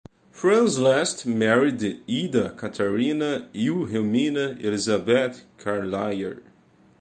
Frans Last married Ida Catharina Wilhelmina Elisabeth Carlier.